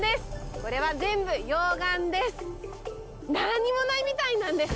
これは全部溶岩です。